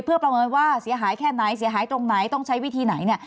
เพื่อประเมินว่าเสียหายแค่ไหนเสียหายตรงไหนต้องใช้วิธีไหนเนี่ย